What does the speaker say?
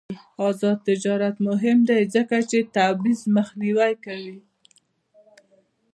آزاد تجارت مهم دی ځکه چې تبعیض مخنیوی کوي.